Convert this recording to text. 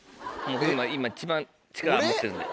今一番力余ってるんで。